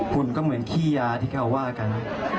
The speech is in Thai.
ุ่นก็เหมือนขี้ยาที่เขาว่ากัน